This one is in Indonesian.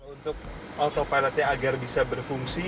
untuk autopilotnya agar bisa berfungsi